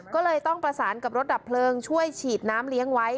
ก็เลยต้องประสานกับรถดับเพลิงช่วยฉีดน้ำเลี้ยงไว้